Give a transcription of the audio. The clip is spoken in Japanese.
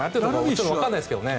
ちょっとわからないですけどね。